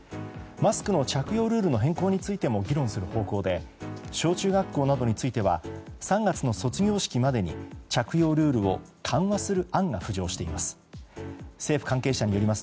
マスクの着用ルールの変更についても議論する方向で小中学校などについては３月の卒業式までに着用ルールを緩和する案が浮上しています。